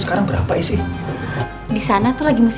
terakhir jalan tumaritis